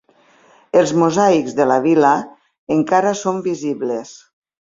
Els mosaics de la vila encara són visibles.